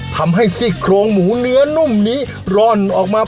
ซี่โครงหมูเนื้อนุ่มนี้ร่อนออกมา